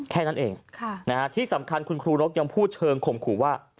แค่นั้นเองที่สำคัญคุณครูนกยังพูดเชิงข่มขู่ว่า